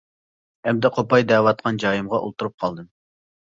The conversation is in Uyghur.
ئەمدى قوپاي دەۋاتقان جايىمغا ئولتۇرۇپ قالدىم.